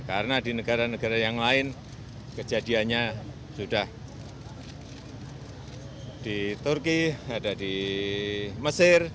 karena di negara negara yang lain kejadiannya sudah di turki ada di mesir